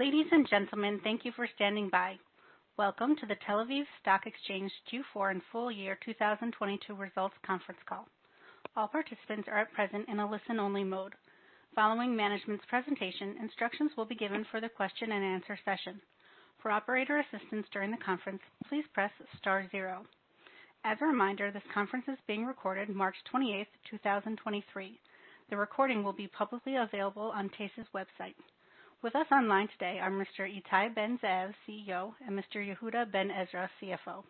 Ladies and gentlemen, thank you for standing by. Welcome to the Tel Aviv Stock Exchange Q4 and full-year 2022 results conference call. All participants are at present in a listen-only mode. Following management's presentation, instructions will be given for the question-and-answer session. For operator assistance during the conference, please press Star zero. As a reminder, this conference is being recorded March 28th, 2023. The recording will be publicly available on TASE's website. With us online today are Mr. Ittai Ben-Zeev, CEO, and Mr. Yehuda Ben Ezra, CFO.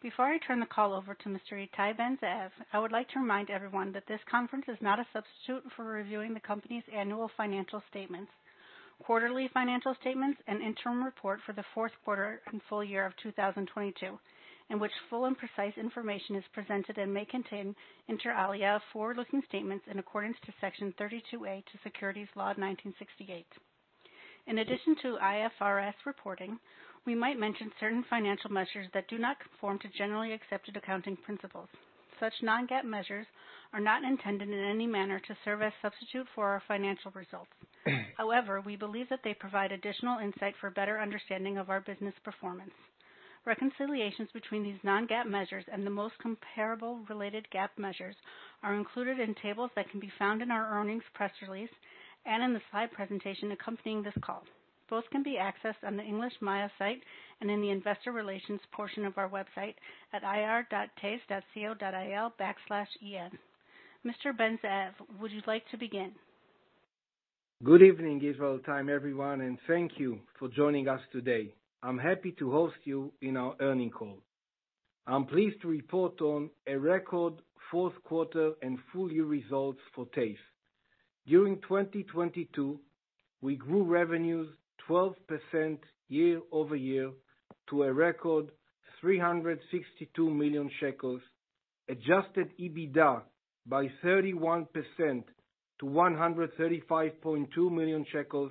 Before I turn the call over to Mr. Ittai Ben-Zeev, I would like to remind everyone that this conference is not a substitute for reviewing the company's annual financial statements, quarterly financial statements, and Interim Report for the fourth quarter and full-year of 2022, in which full and precise information is presented and may contain, inter alia, forward-looking statements in accordance to Section 32A to Securities Law, 1968. In addition to IFRS reporting, we might mention certain financial measures that do not conform to generally accepted accounting principles. Such non-GAAP measures are not intended in any manner to serve as substitute for our financial results. However, we believe that they provide additional insight for better understanding of our business performance. Reconciliations between these non-GAAP measures and the most comparable related GAAP measures are included in tables that can be found in our earnings press release and in the slide presentation accompanying this call. Both can be accessed on the English MAYA site and in the investor relations portion of our website at ir.tase.co.il/en. Mr. Ben-Zeev, would you like to begin? Good evening, Israel time, everyone, and thank you for joining us today. I'm happy to host you in our earning call. I'm pleased to report on a record fourth quarter and full-year results for TASE. During 2022, we grew revenues 12% year-over-year to a record 362 million shekels, adjusted EBITDA by 31% to 135.2 million shekels,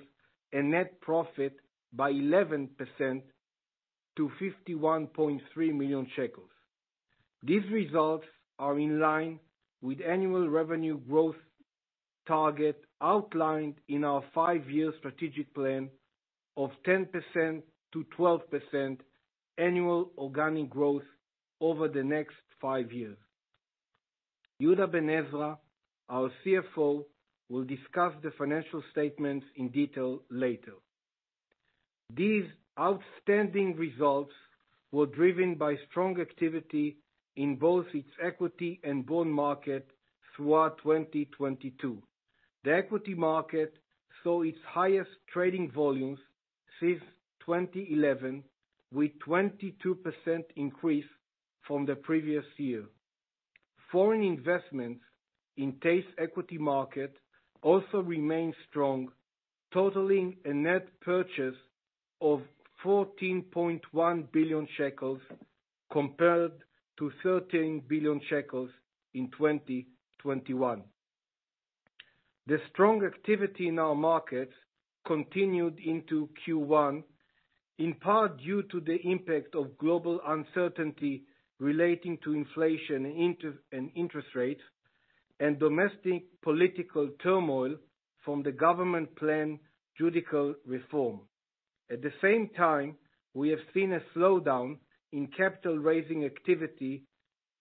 and net profit by 11% to 51.3 million shekels. These results are in line with annual revenue growth target outlined in our five-year strategic plan of 10%-12% annual organic growth over the next five years. Yehuda Ben Ezra, our CFO, will discuss the financial statements in detail later. These outstanding results were driven by strong activity in both its equity and bond market throughout 2022. The equity market saw its highest trading volumes since 2011, with 22% increase from the previous year. Foreign investments in TASE equity market also remained strong, totaling a net purchase of 14.1 billion shekels compared to 13 billion shekels in 2021. The strong activity in our markets continued into Q1, in part due to the impact of global uncertainty relating to inflation and interest rates and domestic political turmoil from the government plan judicial reform. At the same time, we have seen a slowdown in capital raising activity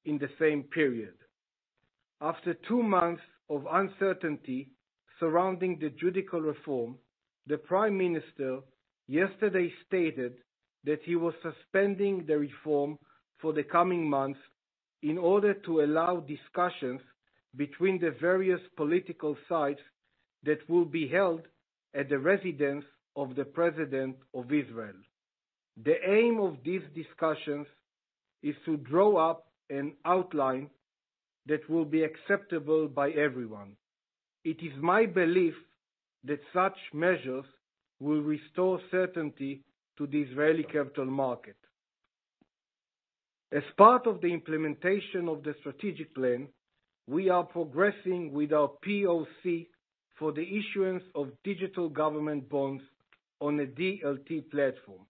in the same period. After two months of uncertainty surrounding the judicial reform, the Prime Minister yesterday stated that he was suspending the reform for the coming months in order to allow discussions between the various political sides that will be held at the residence of the President of Israel. The aim of these discussions is to draw up an outline that will be acceptable by everyone. It is my belief that such measures will restore certainty to the Israeli capital market. As part of the implementation of the strategic plan, we are progressing with our POC for the issuance of digital government bonds on a DLT platform.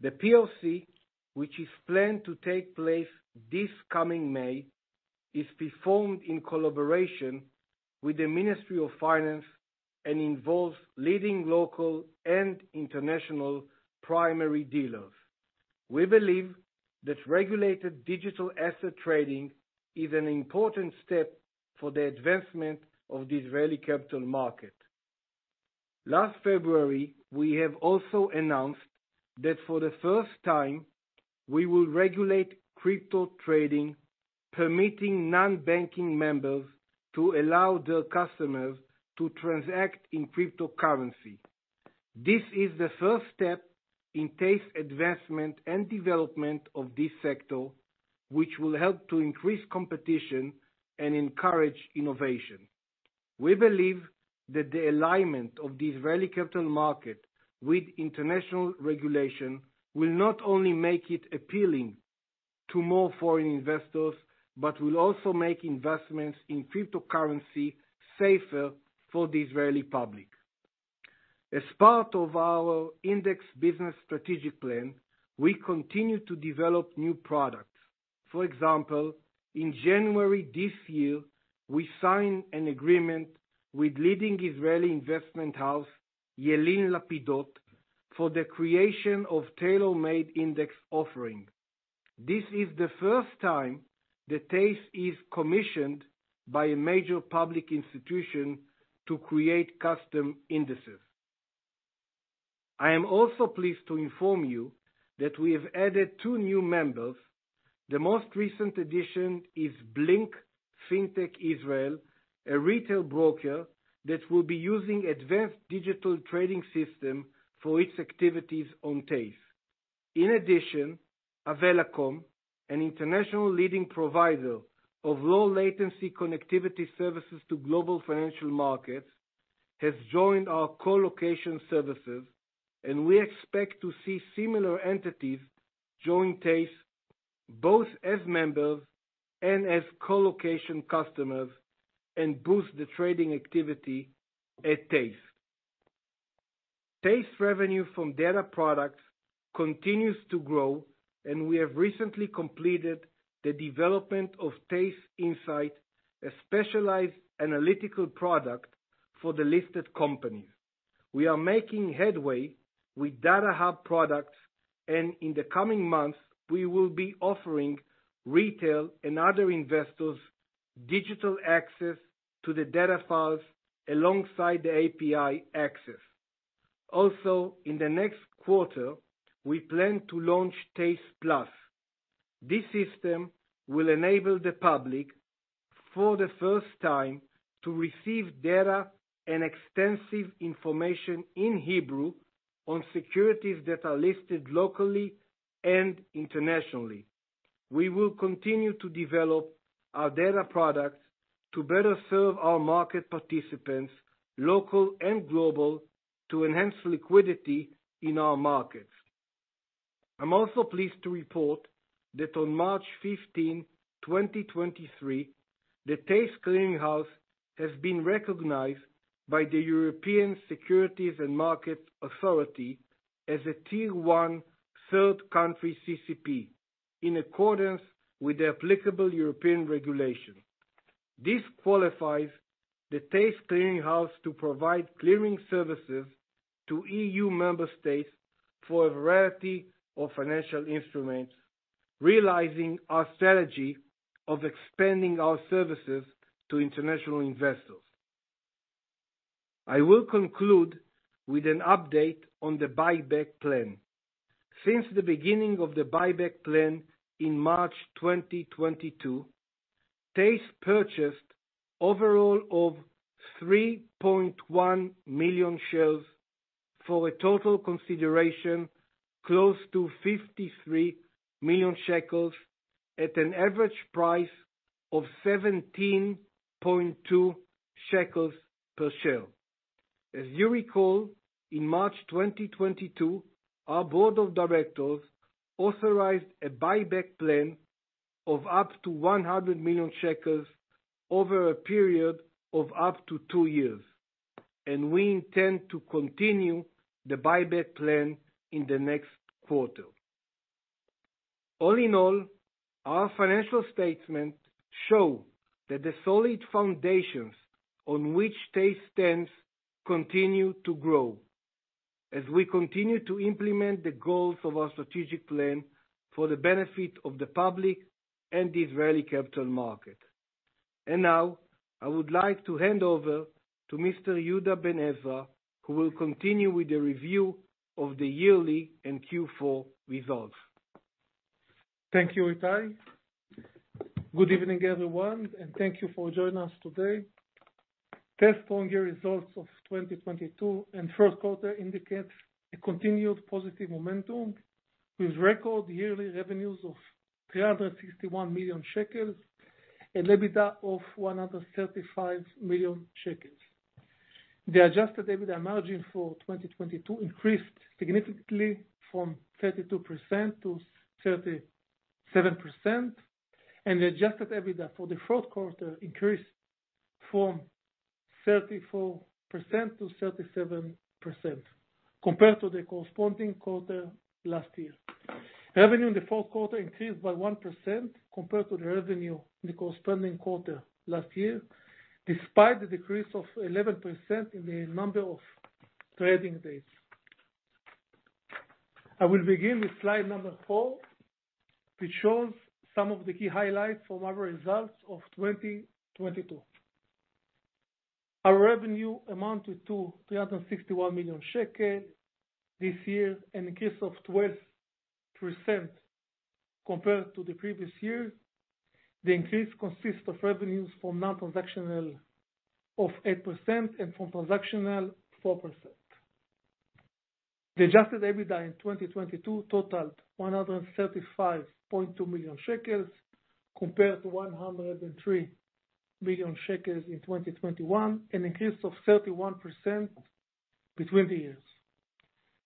The POC, which is planned to take place this coming May, is performed in collaboration with the Ministry of Finance and involves leading local and international primary dealers. We believe that regulated digital asset trading is an important step for the advancement of the Israeli capital market. Last February, we have also announced that for the first time, we will regulate crypto trading, permitting non-banking members to allow their customers to transact in cryptocurrency. This is the first step in TASE advancement and development of this sector, which will help to increase competition and encourage innovation. We believe that the alignment of the Israeli capital market with international regulation will not only make it appealing to more foreign investors, but will also make investments in cryptocurrency safer for the Israeli public. As part of our Index business strategic plan, we continue to develop new products. For example, in January this year, we signed an agreement with leading Israeli investment house, Yelin Lapidot, for the creation of tailor-made index offering. This is the first time that TASE is commissioned by a major public institution to create custom indices. I am also pleased to inform you that we have added two new members. The most recent addition is Blink Fintech Israel, a retail broker that will be using advanced digital trading system for its activities on TASE. In addition, Avelacom, an international leading provider of low latency connectivity services to global financial m arkets, has joined our co-location services. We expect to see similar entities join TASE, both as members and as co-location customers, and boost the trading activity at TASE. TASE revenue from data products continues to grow, and we have recently completed the development of TASE Insight, a specialized analytical product for the listed companies. We are making headway with Data Hub products, and in the coming months, we will be offering retail and other investors digital access to the data files alongside the API access. In the next quarter, we plan to launch TASE+. This system will enable the public, for the first time, to receive data and extensive information in Hebrew on securities that are listed locally and internationally. We will continue to develop our data products to better serve our market participants, local and global, to enhance liquidity in our markets. I'm also pleased to report that on March 15, 2023, the TASE Clearing House has been recognized by the European Securities and Markets Authority as a Tier 1 third country CCP, in accordance with the applicable European regulation. This qualifies the TASE Clearing House to provide clearing services to EU member states for a variety of financial instruments, realizing our strategy of expanding our services to international investors. I will conclude with an update on the buyback plan. Since the beginning of the buyback plan in March 2022, TASE purchased overall of 3.1 million shares for a total consideration close to 53 million shekels at an average price of 17.2 shekels per share. As you recall, in March 2022, our board of directors authorized a buyback plan of up to 100 million shekels over a period of up to 2 years. We intend to continue the buyback plan in the next quarter. All in all, our financial statement show that the solid foundations on which TASE stands continue to grow as we continue to implement the goals of our strategic plan for the benefit of the public and the Israeli capital market. Now, I would like to hand over to Mr. Yehuda Ben Ezra, who will continue with the review of the yearly and Q4 results. Thank you, Ittai. Good evening, everyone, thank you for joining us today. TASE stronger results of 2022 and first quarter indicates a continued positive momentum with record yearly revenues of 361 million shekels and EBITDA of 135 million shekels. The adjusted EBITDA margin for 2022 increased significantly from 32%-37%, and the adjusted EBITDA for the fourth quarter increased from 34% to 37% compared to the corresponding quarter last year. Revenue in the fourth quarter increased by 1% compared to the revenue in the corresponding quarter last year, despite the decrease of 11% in the number of trading days. I will begin with slide Number 4, which shows some of the key highlights from our results of 2022. Our revenue amounted to 361 million shekel this year, an increase of 12% compared to the previous year. The increase consists of revenues from non-transactional of 8% and from transactional, 4%. The adjusted EBITDA in 2022 totaled 135.2 million shekels compared to 103 million shekels in 2021, an increase of 31% between the years.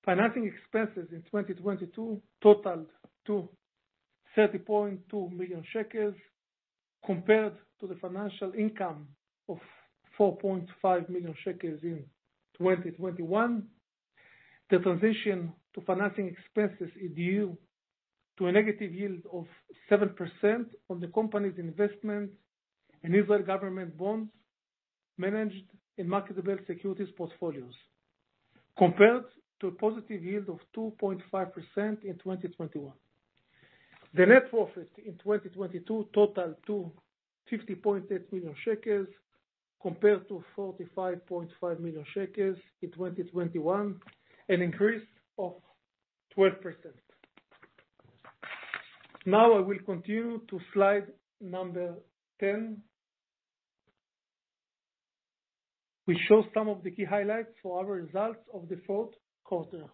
Financing expenses in 2022 totaled to 30.2 million shekels compared to the financial income of 4.5 million shekels in 2021. The transition to financing expenses is due to a negative yield of 7% on the company's investment in Israel government bonds managed in marketable securities portfolios, compared to a positive yield of 2.5% in 2021. The net profit in 2022 totaled to 50.8 million shekels, compared to 45.5 million shekels in 2021, an increase of 12%. I will continue to slide Number 10. We show some of the key highlights for our results of the fourth quarter.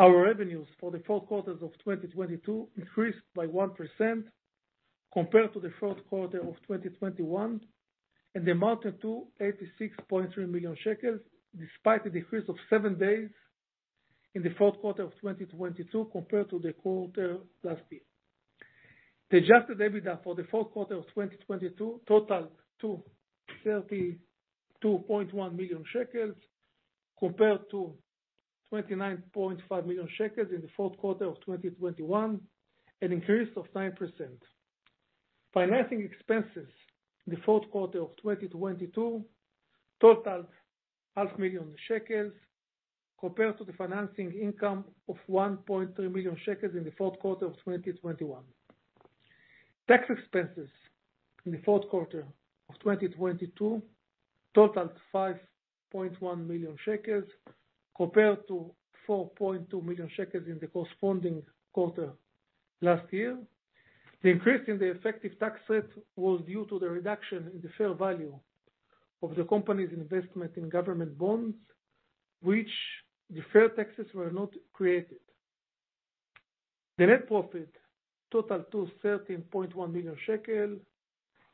Our revenues for the fourth quarter of 2022 increased by 1% compared to the fourth quarter of 2021, and amounted to 86.3 million shekels, despite the decrease of 7 days in the fourth quarter of 2022 compared to the quarter last year. The adjusted EBITDA for the fourth quarter of 2022 totaled to 32.1 million shekels compared to 29.5 million shekels in the fourth quarter of 2021, an increase of 9%. Financing expenses in the fourth quarter of 2022 totaled half million shekels compared to the financing income of 1.3 million shekels in the fourth quarter of 2021. Tax expenses in the fourth quarter of 2022 totaled 5.1 million shekels compared to 4.2 million shekels in the corresponding quarter last year. The increase in the effective tax rate was due to the reduction in the fair value of the company's investment in government bonds, which deferred taxes were not created. The net profit totaled to 13.1 million shekel,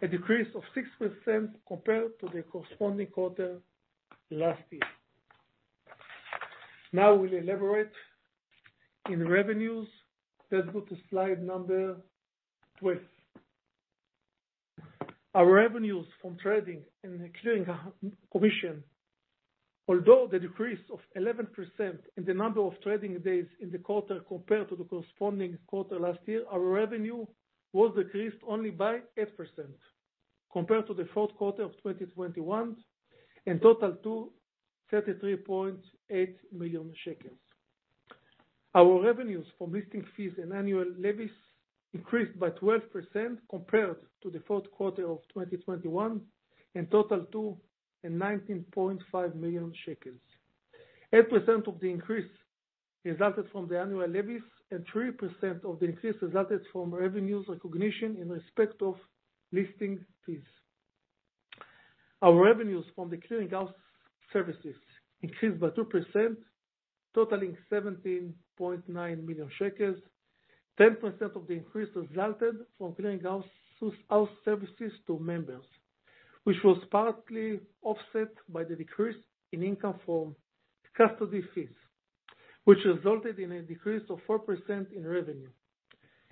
a decrease of 6% compared to the corresponding quarter last year. We'll elaborate in revenues. Let's go to slide Number 12. Our revenues from trading and clearing commission. Although the decrease of 11% in the number of trading days in the quarter compared to the corresponding quarter last year, our revenue was decreased only by 8% compared to the fourth quarter of 2021 and totaled to 33.8 million shekels. Our revenues from listing fees and annual levies increased by 12% compared to the fourth quarter of 2021 and totaled to 19.5 million shekels. 8% of the increase resulted from the annual levies, and 3% of the increase resulted from revenues recognition in respect of listing fees. Our revenues from the Clearing House services increased by 2%, totaling 17.9 million shekels. 10% of the increase resulted from Clearing House services to members, which was partly offset by the decrease in income from custody fees, which resulted in a decrease of 4% in revenue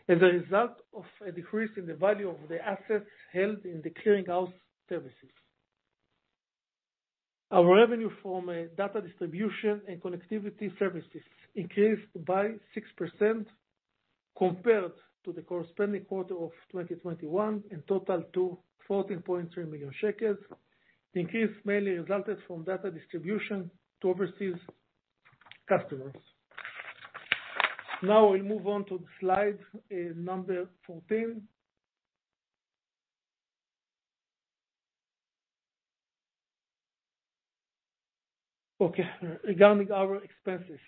as a result of a decrease in the value of the assets held in the Clearing House services. Our revenue from Data Distribution and Connectivity Services increased by 6% compared to the corresponding quarter of 2021 and totaled to 14.3 million shekels. The increase mainly resulted from Data Distribution to overseas customers. Now we'll move on to slide Number 14. Okay. Regarding our expenses.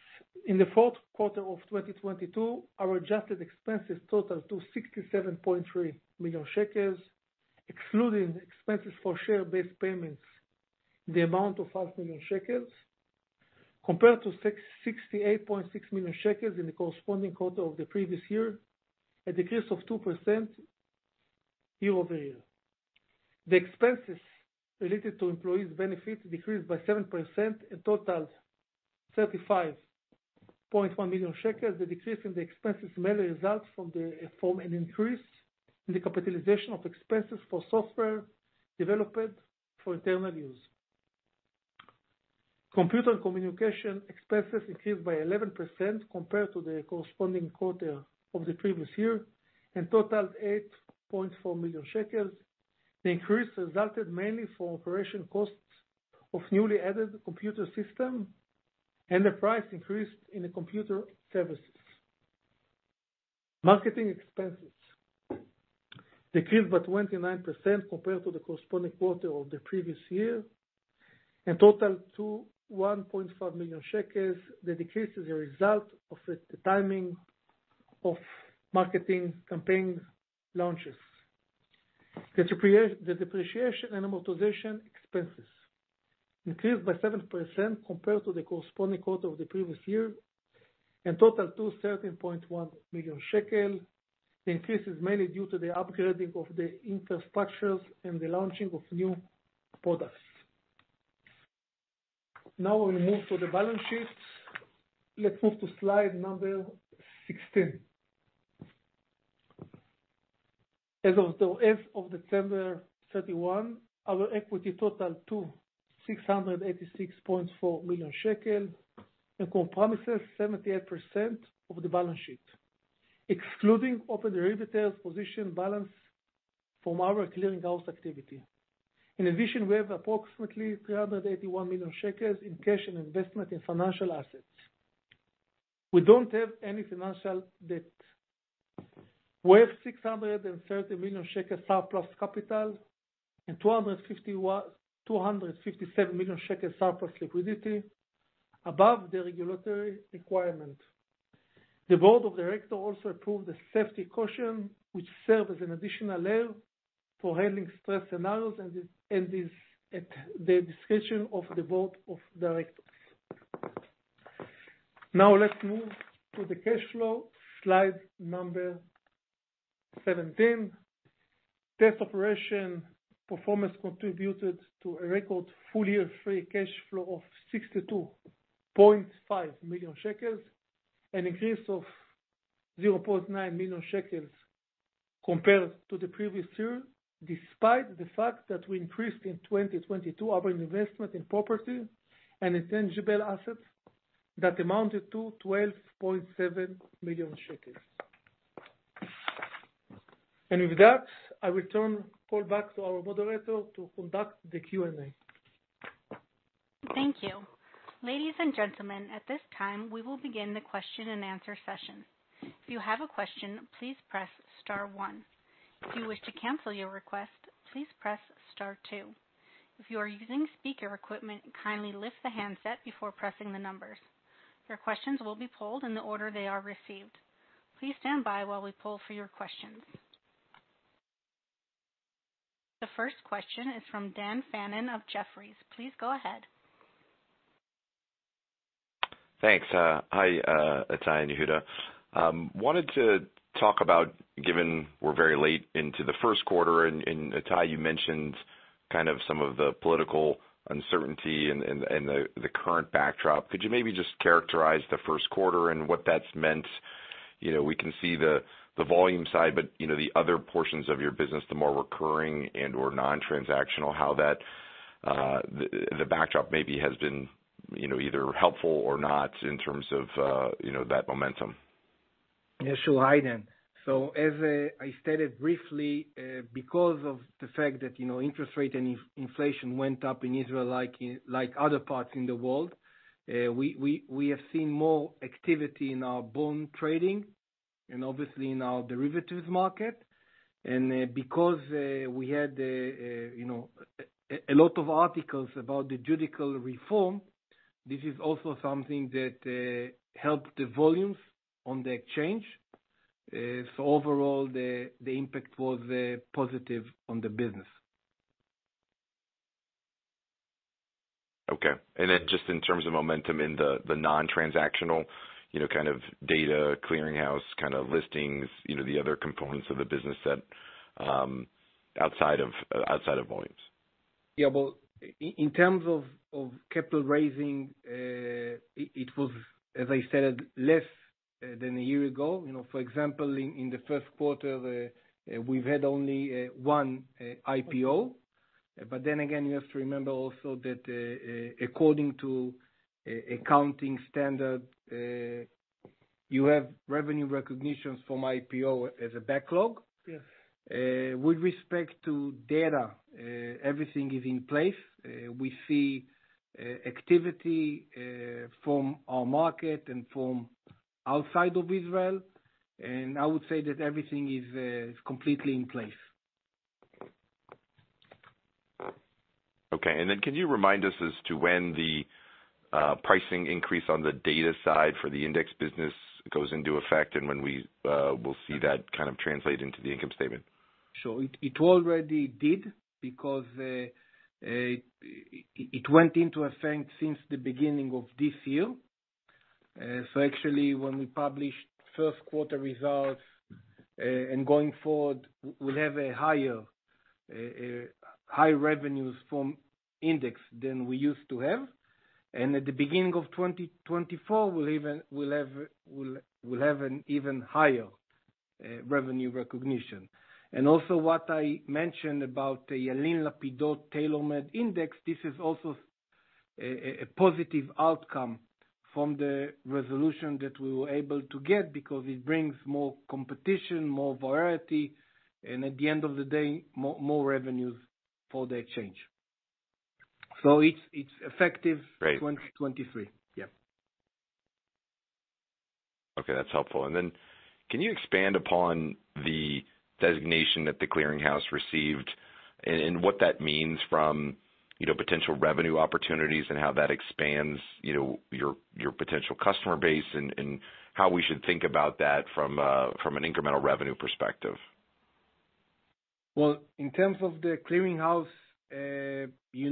In the fourth quarter of 2022, our adjusted expenses totaled to 67.3 million shekels, excluding expenses for share-based payments in the amount of 500,000 shekels compared to 68.6 million shekels in the corresponding quarter of the previous year, a decrease of 2% year-over-year. The expenses related to employees' benefits decreased by 7% and totaled 35.1 million shekels. The decrease in the expenses mainly results from an increase in the capitalization of expenses for software developed for internal use. Computer communication expenses increased by 11% compared to the corresponding quarter of the previous year and totaled 8.4 million shekels. The increase resulted mainly for operation costs of newly added computer system and the price increase in the computer services. Marketing expenses decreased by 29% compared to the corresponding quarter of the previous year and totaled to ILS 1.5 million. The decrease is a result of the timing of marketing campaign launches. The depreciation and amortization expenses increased by 7% compared to the corresponding quarter of the previous year and totaled to 13.1 million shekel. The increase is mainly due to the upgrading of the infrastructures and the launching of new products. We'll move to the balance sheet. Let's move to slide Number 16. As of the 8th of December, 2031, our equity totaled 686.4 million shekel, and comprises 78% of the balance sheet, excluding open derivatives position balance from our Clearing House activity. We have approximately 381 million shekels in cash and investment in financial assets. We don't have any financial debt. We have 630 million shekel surplus capital and 257 million shekel surplus liquidity above the regulatory requirement. The Board of Directors also approved the safety caution, which serves as an additional layer for handling stress scenarios, and is at the discretion of the Board of Directors. Let's move to the cash flow. Slide Number 17. TASE operation performance contributed to a record full-year free cash flow of 62.5 million shekels, an increase of 0.9 million shekels compared to the previous year, despite the fact that we increased in 2022 our investment in property and intangible assets that amounted to 12.7 million shekels. With that, I return call back to our moderator to conduct the Q&A. Thank you. Ladies and gentlemen, at this time, we will begin the question-and-answer session. If you have a question, please press Star one. If you wish to cancel your request, please press Star two. If you are using speaker equipment, kindly lift the handset before pressing the numbers. Your questions will be polled in the order they are received. Please stand by while we poll for your questions. The first question is from Dan Fannon of Jefferies. Please go ahead. Thanks. Hi, Ittai and Yehuda. Wanted to talk about, given we're very late into the first quarter, and Ittai, you mentioned kind of some of the political uncertainty and the current backdrop. Could you maybe just characterize the first quarter and what that's meant? You know, we can see the volume side, but, you know, the other portions of your business, the more recurring and/or non-transactional, how that the backdrop maybe has been, you know, either helpful or not in terms of, you know, that momentum. Yeah, sure. Hi, Dan. As I stated briefly, because of the fact that, you know, interest rate and inflation went up in Israel like in other parts in the world, we have seen more activity in our Bond Trading and obviously in our derivatives market. Because we had, you know, a lot of articles about the judicial reform, this is also something that helped the volumes on the exchange. Overall, the impact was positive on the business. Okay. Just in terms of momentum in the non-transactional, you know, kind of data Clearing House, kind of listings, you know, the other components of the business that, outside of volumes. Yeah. Well, in terms of capital raising, it was, as I said, less than a year ago. You know, for example, in the first quarter, we've had only one IPO. You have to remember also that according to accounting standard, you have revenue recognitions from IPO as a backlog. Yes. With respect to data, everything is in place. We see activity from our market and from outside of Israel. I would say that everything is completely in place. Okay. Can you remind us as to when the pricing increase on the data side for the Index business goes into effect, and when we will see that kind of translate into the income statement? Sure. It already did because it went into effect since the beginning of this year. Actually when we published first quarter results, and going forward, we'll have a higher revenues from index than we used to have. At the beginning of 2024, we'll have an even higher revenue recognition. Also what I mentioned about the Yelin Lapidot Tailormade Index, this is also a positive outcome from the resolution that we were able to get because it brings more competition, more variety, and at the end of the day, more revenues for the exchange. It's effective Great. 2023. Yeah. Okay, that's helpful. Can you expand upon the designation that the Clearing House received and what that means from, you know, potential revenue opportunities and how that expands, you know, your potential customer base and how we should think about that from an incremental revenue perspective? In terms of the Clearing House, you know, you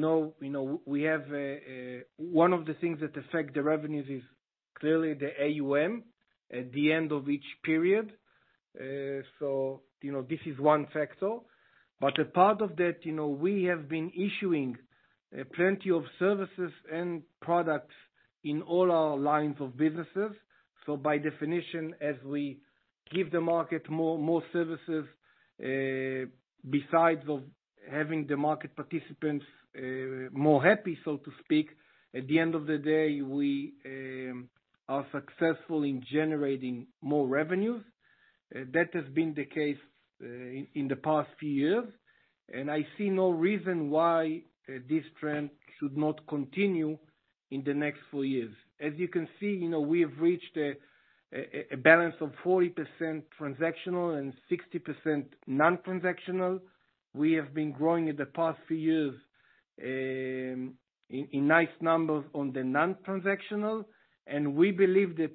know, we have, one of the things that affect the revenues is clearly the AUM at the end of each period. You know, this is one factor, but a part of that, you know, we have been issuing plenty of services and products in all our lines of businesses. By definition, as we give the market more, more services, besides of having the market participants, more happy, so to speak, at the end of the day, we are successful in generating more revenues. That has been the case, in the past few years, and I see no reason why this trend should not continue in the next 4 years. As you can see, you know, we have reached a, a balance of 40% transactional and 60% non-transactional. We have been growing in the past few years, in nice numbers on the non-transactional, and we believe that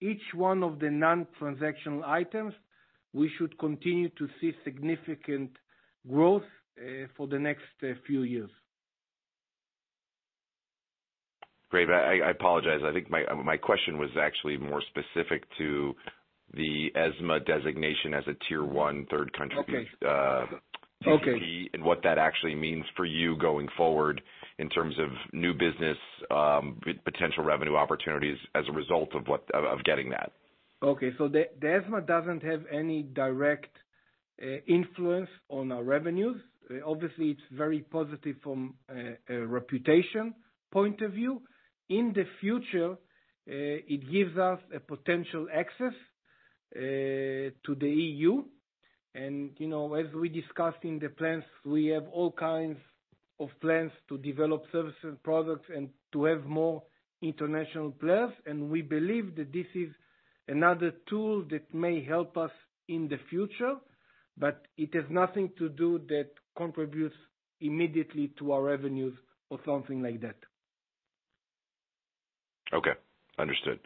each one of the non-transactional items, we should continue to see significant growth for the next few years. Great. I apologize, I think my question was actually more specific to the ESMA designation as a tier one third. Okay. Uh- Okay. CCP, and what that actually means for you going forward in terms of new business, potential revenue opportunities as a result of getting that. The ESMA doesn't have any direct influence on our revenues. Obviously, it's very positive from a reputation point of view. In the future, it gives us a potential access to the EU. You know, as we discussed in the plans, we have all kinds of plans to develop services and products and to have more international players. We believe that this is another tool that may help us in the future, but it has nothing to do that contributes immediately to our revenues or something like that. Okay. Understood.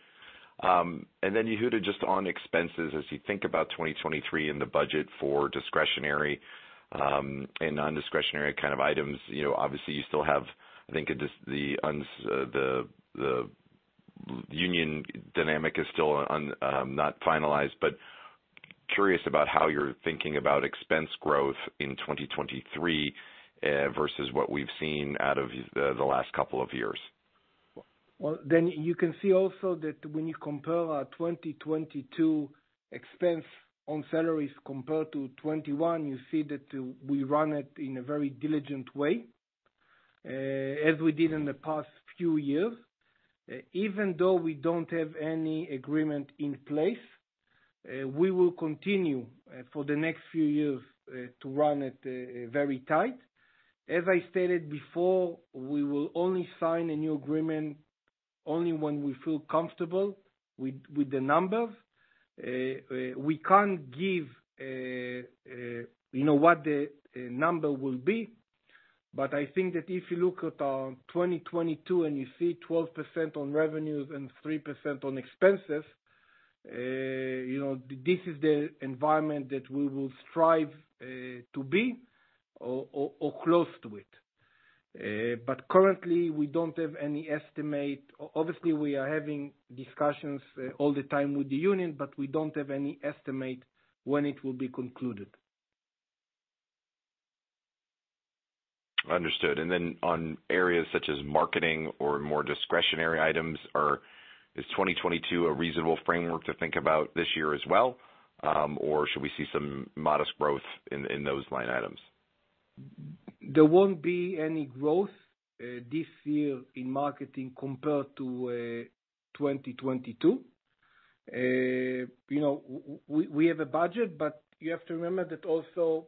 Yehuda, just on expenses as you think about 2023 and the budget for discretionary and non-discretionary kind of items, you know, obviously you still have, I think, the union dynamic is still not finalized. Curious about how you're thinking about expense growth in 2023 versus what we've seen out of the last couple of years. You can see also that when you compare our 2022 expense on salaries compared to 2021, you see that we run it in a very diligent way, as we did in the past few years. Even though we don't have any agreement in place, we will continue for the next few years to run it very tight. As I stated before, we will only sign a new agreement only when we feel comfortable with the numbers. We can't give, you know, what the number will be, but I think that if you look at 2022, and you see 12% on revenues and 3% on expenses, you know, this is the environment that we will strive to be or close to it. Currently, we don't have any estimate. Obviously, we are having discussions all the time with the union, but we don't have any estimate when it will be concluded. Understood. Then on areas such as marketing or more discretionary items, is 2022 a reasonable framework to think about this year as well, or should we see some modest growth in those line items? There won't be any growth this year in marketing compared to 2022. You know, we have a budget, but you have to remember that also,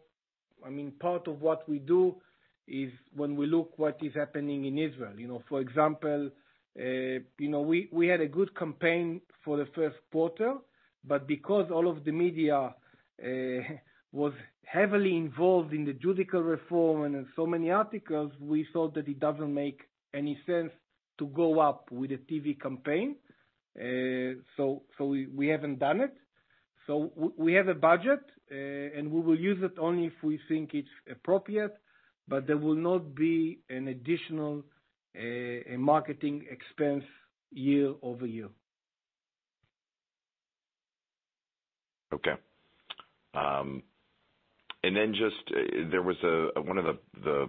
I mean, part of what we do is when we look what is happening in Israel. You know, for example, you know, we had a good campaign for the first quarter, but because all of the media was heavily involved in the judicial reform and in so many articles, we thought that it doesn't make any sense to go up with a TV campaign. We haven't done it. We have a budget, and we will use it only if we think it's appropriate, but there will not be an additional marketing expense year-over-year. Just, there was one of the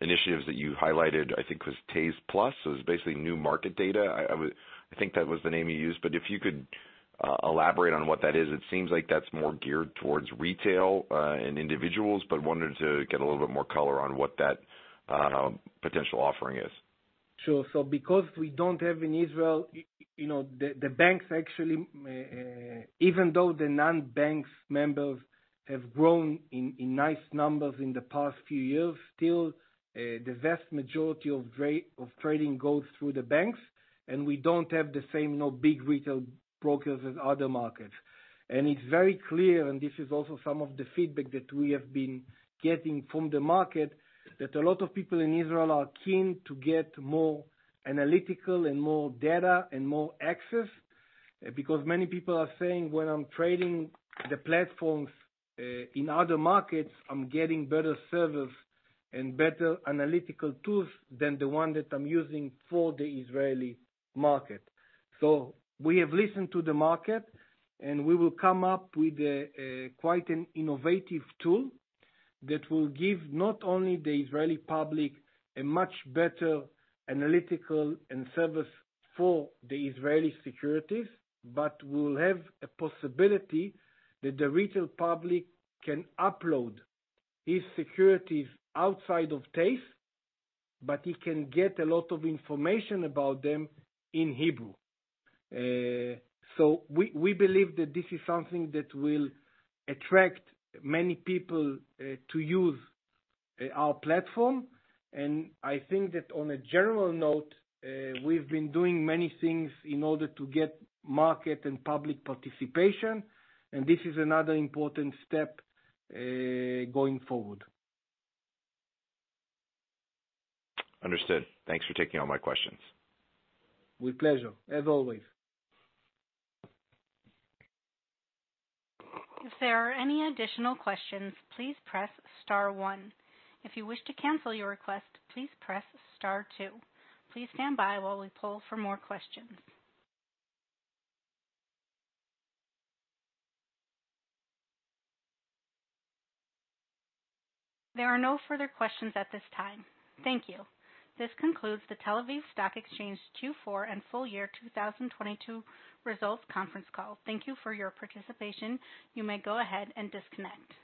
initiatives that you highlighted, I think was TASE+. It's basically new market data. I think that was the name you used, but if you could elaborate on what that is. It seems like that's more geared towards retail and individuals, but wanted to get a little bit more color on what that potential offering is. Sure. Because we don't have in Israel, you know, the banks actually, even though the non-banks members have grown in nice numbers in the past few years, still, the vast majority of trading goes through the banks, and we don't have the same, you know, big retail brokers as other markets. It's very clear, and this is also some of the feedback that we have been getting from the market, that a lot of people in Israel are keen to get more analytical and more data and more access. Many people are saying, When I'm trading the platforms, in other markets, I'm getting better service and better analytical tools than the one that I'm using for the Israeli market. We have listened to the market, and we will come up with quite an innovative tool that will give not only the Israeli public a much better analytical and service for the Israeli securities, but will have a possibility that the retail public can upload his securities outside of TASE, but he can get a lot of information about them in Hebrew. We, we believe that this is something that will attract many people to use our platform. I think that on a general note, we've been doing many things in order to get market and public participation, and this is another important step going forward. Understood. Thanks for taking all my questions. With pleasure, as always. If there are any additional questions, please press Star one. If you wish to cancel your request, please press Star two. Please stand by while we poll for more questions. There are no further questions at this time. Thank you. This concludes the Tel Aviv Stock Exchange Q4 and full=year 2022 results conference call. Thank you for your participation. You may go ahead and disconnect.